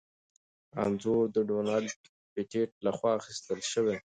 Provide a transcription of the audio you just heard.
انځور د ډونلډ پېټټ لخوا اخیستل شوی.